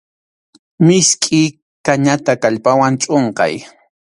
Miskʼi kañata kallpawan chʼunqay.